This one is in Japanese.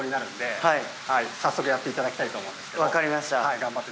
分かりました。